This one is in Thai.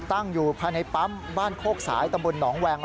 ตั้งอยู่ภายในปั๊มบ้านโคกสายตำบลหนองแวง